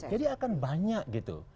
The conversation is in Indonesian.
jadi akan banyak gitu